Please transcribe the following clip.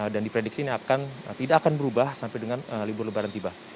dan diprediksi ini tidak akan berubah sampai dengan libur lebaran tiba